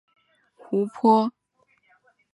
本列表列出亚洲的湖泊。